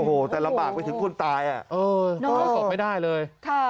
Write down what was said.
โอ้โหแต่ละบากไปถึงคุณตายอ่ะเออตอบไม่ได้เลย